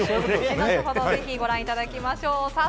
後ほどぜひご覧いただきましょう。